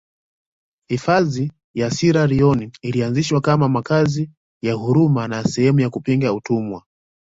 Hifadhi ya Sierra Leone ilianzishwa kama makazi ya huruma na sehemu ya kupinga utumwa